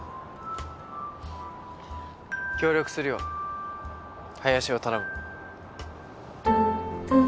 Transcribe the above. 協力するよ林を頼む。